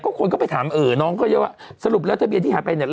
ก็คนเข้าไปถามเออน้องก็เยอะสรุปแล้วทะเบียนที่หายไปเนี่ย